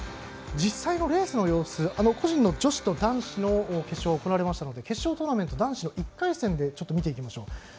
実際のレースの様子を個人の女子と男子の決勝が行われましたので決勝トーナメント男子の１回戦で見てみましょう。